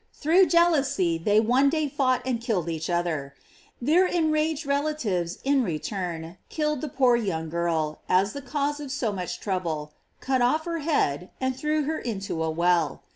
Through jealousy, they one day fought and killed each other. Their enraged relatives, in return, killed the poor young girl, as the cause of so much trouble, cut off her head, and threw her into a well.